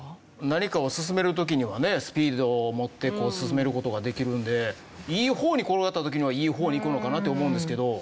何かを進める時にはねスピードを持って進める事ができるんでいい方に転がった時にはいい方に行くのかなって思うんですけど。